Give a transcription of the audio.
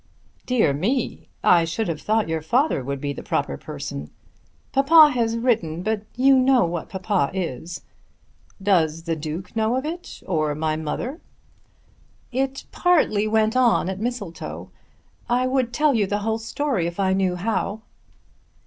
"Dear me! I should have thought your father would be the proper person." "Papa has written; but you know what papa is." "Does the Duke know of it, or my mother?" "It partly went on at Mistletoe. I would tell you the whole story if I knew how."